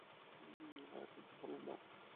আর এখন তাহলে নও?